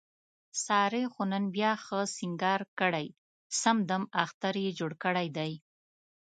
سارې خو نن بیا ښه سینګار کړی، سم دمم اختر یې جوړ کړی دی.